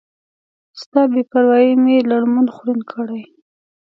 ستا بی پروایي می لړمون خوړین کړی